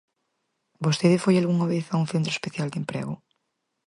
¿Vostede foi algunha vez a un centro especial de emprego?